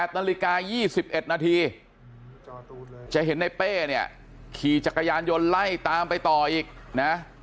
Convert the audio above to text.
นาฬิกา๒๑นาทีจะเห็นในเป้เนี่ยขี่จักรยานยนต์ไล่ตามไปต่ออีกนะ